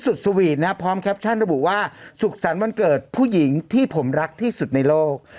สวีทนะพร้อมแคปชั่นระบุว่าสุขสรรค์วันเกิดผู้หญิงที่ผมรักที่สุดในโลก